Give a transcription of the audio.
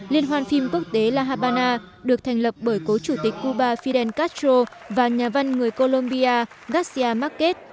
liên hoan phim quốc tế la habana được thành lập bởi cố chủ tịch cuba fidel castro và nhà văn người colombia gassia market